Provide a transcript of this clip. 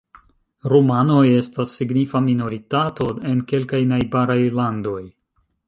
Rumanoj estas signifa minoritato en kelkaj najbaraj landoj.